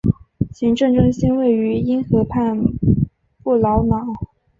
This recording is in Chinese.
行政中心位于因河畔布劳瑙。